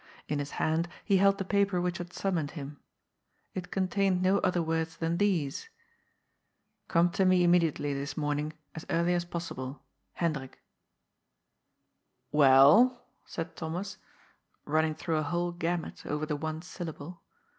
In his hand he held the paper which had summoned him. It contained no other words than these : ^'Come to me immediately, this morning, as early as possible. Hekdrik.'* " Well ?" said Thomas, running through a whole gamut over the one syllable.